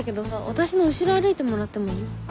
私の後ろ歩いてもらってもいい？